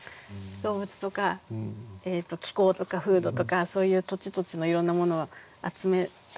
動物とか気候とか風土とかそういう土地土地のいろんなものを集めたら楽しいなと思って。